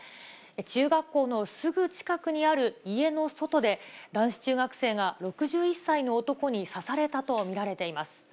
中学校のすぐ近くにある家の外で、男子中学生が６１歳の男に刺されたと見られています。